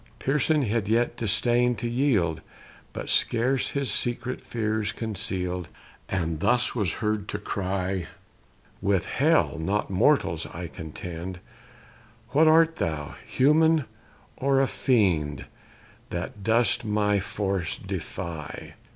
Pearson had yet disdain'd to yield, But scarce his secret fears conceal'd, And thus was heard to cry "With hell, not mortals, I contend; What art thou human, or a fiend, That dost my force defy?